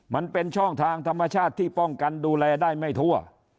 มันเป็นช่องทางธรรมชาติที่ป้องกันดูแลได้ไม่ทั่ว